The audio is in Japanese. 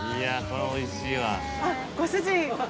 これおいしいわ。